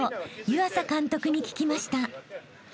湯浅監督に聞きました］